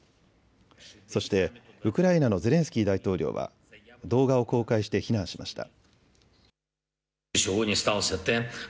そしてウクライナのゼレンスキー大統領は動画を公開して非難しました。